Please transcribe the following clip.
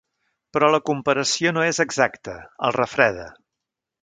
Però la comparació no és exacta —el refreda—.